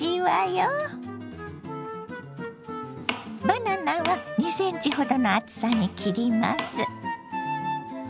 バナナは２ｃｍほどの厚さに切ります。